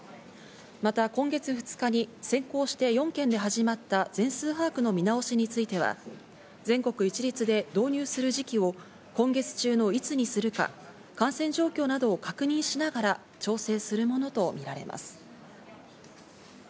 また今月２日に先行して４県で始まった全数把握の見直しについては、全国一律で導入する時期を今月中のいつにするか感染状況などを確認しながら調整するものとみられます。